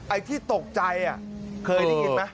ไอ้ที่ตกใจอ่ะเคยได้ยินมั้ย